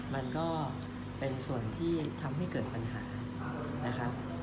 มันก็เป็นส่วนที่ทำให้เกิดปัญหานะครับ